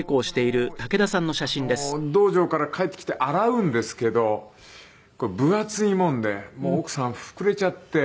それを道場から帰ってきて洗うんですけど分厚いもんで奥さん膨れちゃって。